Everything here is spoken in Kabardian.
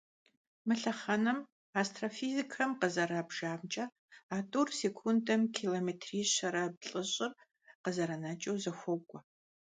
Мы лъэхъэнэм, астрофизикхэм къызэрабжамкIэ, а тIур секундэм километри щэрэ плIыщIыр къызэранэкIыу зэхуокIуэ.